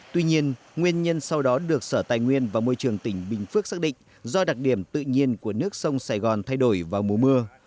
tuy nhiên nguyên nhân sau đó được sở tài nguyên và môi trường tỉnh bình phước xác định do đặc điểm tự nhiên của nước sông sài gòn thay đổi vào mùa mưa